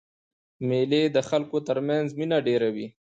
مېلې د خلکو تر منځ مینه ډېروي.